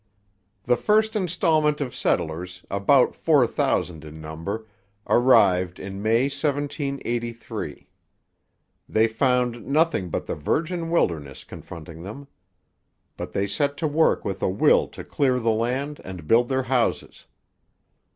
The first instalment of settlers, about four thousand in number, arrived in May 1783. They found nothing but the virgin wilderness confronting them. But they set to work with a will to clear the land and build their houses.